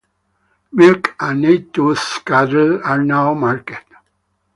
Milk and eight tooth cattle are not marked.